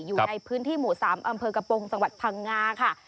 อยู่ในพื้นที่หมู่๓อำเภอกระโปรงจังหวัดพังงาค่ะ